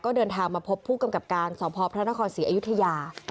เดินทางมาพบผู้กำกับการสพพระนครศรีอยุธยา